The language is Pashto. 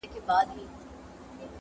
باز دي کم شهباز دي کم خدنګ دی کم.!